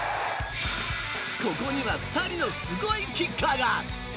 ここには２人のすごいキッカーが！